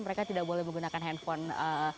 mereka tidak boleh menggunakan handphone